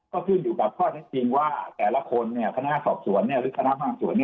ก็ขึ้นอยู่กับข้อเท็จจริงว่าแต่ละคนคณะสอบสวนหรือคณะภาคส่วน